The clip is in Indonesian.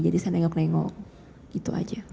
jadi saya nengok nengok gitu aja